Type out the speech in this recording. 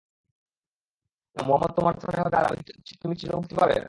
তুমি কি চাও, মুহাম্মদ তোমার স্থানে হবে আর তুমি চির মুক্তি পাবে?